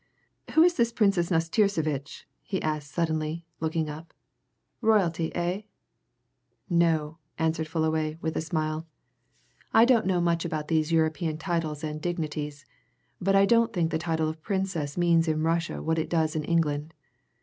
"Who is this Princess Nastirsevitch?" he asked suddenly looking up. "Royalty, eh?" "No," answered Fullaway, with a smile. "I don't know much about these European titles and dignities, but I don't think the title of Prince means in Russia what it does in England.